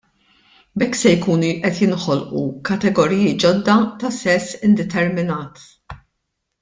B'hekk se jkunu qed jinħolqu kategoriji ġodda ta' sess indeterminat.